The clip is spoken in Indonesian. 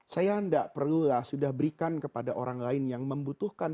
saya tidak perlulah sudah berikan kepada orang lain yang membutuhkan